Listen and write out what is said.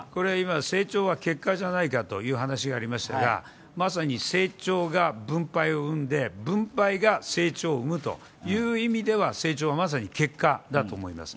成長は結果じゃないかという話がありましたがまさに成長が分配を生んで分配が成長を生むという意味では成長は、まさに結果だと思います。